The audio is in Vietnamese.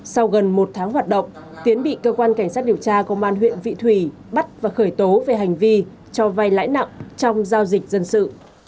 sau gần một tháng hoạt động tiến bị cơ quan cảnh sát điều tra công an huyện vị thủy bắt và khởi tố về hành vi cho vay lãi nặng trong giao dịch dân sự